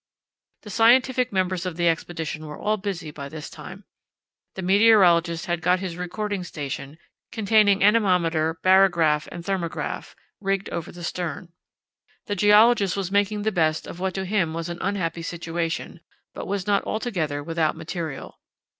The scientific members of the expedition were all busy by this time. The meteorologist had got his recording station, containing anemometer, barograph, and thermograph, rigged over the stern. The geologist was making the best of what to him was an unhappy situation; but was not altogether without material.